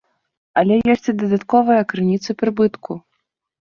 Але ёсць і дадатковыя крыніцы прыбытку.